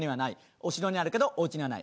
お城にはあるけどおうちにはない。